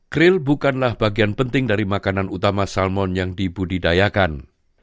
krill bukanlah bagian penting dari makanan utama salmon yang dibudidayakan